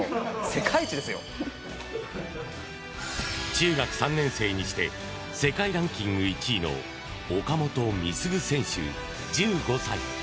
中学３年生にして世界ランキング１位の岡本碧優選手、１５歳。